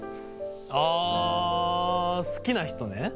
あ好きな人ね？